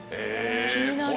気になる。